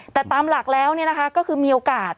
แต่ตามหลักแล้วนี่นะคะก็คือมีโอกาส